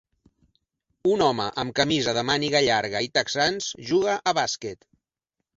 Un home amb camisa de màniga llarga i texans juga a bàsquet.